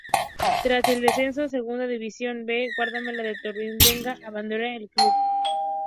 Tras el descenso a Segunda División B, el guardameta de Torrelavega abandonaría el club.